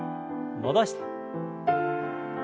戻して。